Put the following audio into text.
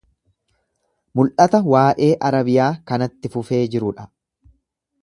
Mul’ata waa’ee Arabiyaa kanatti fufee jiru dha.